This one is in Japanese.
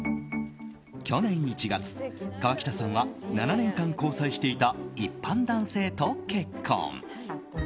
去年１月、河北さんは７年間交際していた一般男性と結婚。